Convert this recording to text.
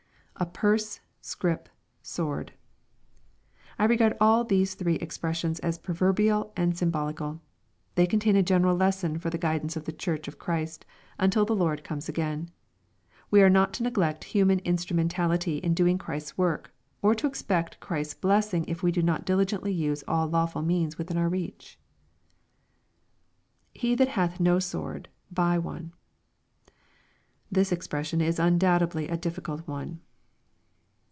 [A pur8e...scrip...8word.'l I regard all these three expressions as proverbial and symbolical They contain a general lesson for the guidance of the Church of Christy until the Lord comes again. We are not to neglect human instrumentality, in doing Christ's work, or to expect Christ's blessing if we do not diligently use all lawful means within our reach. [He that hath no sword..,huy one.] This expression is undoubt edly a difficult one.